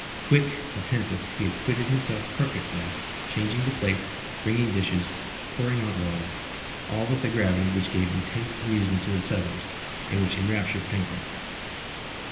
Quick, attentive, he acquitted himself perfectly, changing the plates, bringing dishes, pouring out water, all with a gravity which gave intense amusement to the settlers, and which enraptured Pencroft.